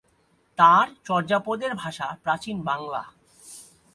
তাঁর চর্যাপদের ভাষা প্রাচীন বাংলা।